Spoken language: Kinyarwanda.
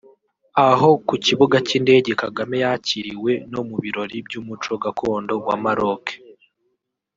Aho ku kibuga cy’indege Kagame yakiriwe no mu birori by’umuco gakondo wa Maroc